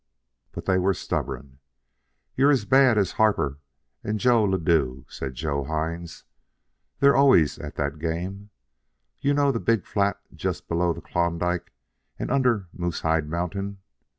But they were stubborn. "You're as bad as Harper and Joe Ladue," said Joe Hines. "They're always at that game. You know that big flat jest below the Klondike and under Moosehide Mountain?